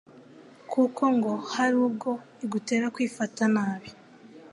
kuko ngo hari ubwo igutera kwifata nabi